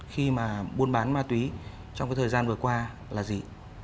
khi mà buôn bán ma túy trong cái thời gian vừa qua là gì